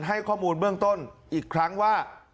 ให้ข้อมูลเบื้องต้นอีกครั้งว่า